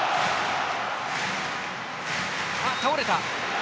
倒れた！